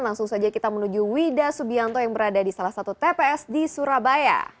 langsung saja kita menuju wida subianto yang berada di salah satu tps di surabaya